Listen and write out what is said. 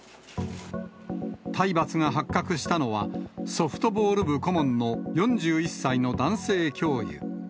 体罰が発覚したのは、ソフトボール部顧問の４１歳の男性教諭。